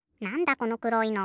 このくろいの。